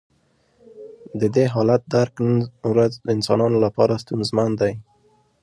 د دې حالت درک نن ورځ انسانانو لپاره ستونزمن دی.